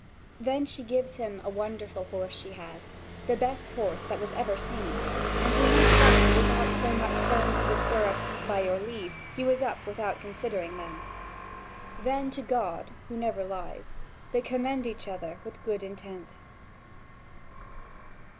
Then she gives him a wonderful horse she has, the best horse that ever was seen, and he leaps up without so much as saying to the stirrups "by your leave": he was up without considering them. Then to God, who never lies, they commend each other with good intent.